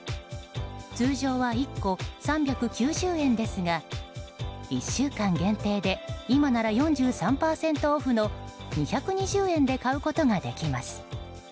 通常は１個３９０円ですが１週間限定で今なら４３％オフの２２０円で買うことができます。